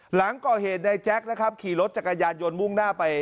หลังก่อเหตุในแจ๊คนะครับขี่รถจักรยานยนต์มุ่งหน้าไป